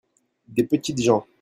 des petites gens.